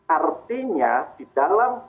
artinya di dalam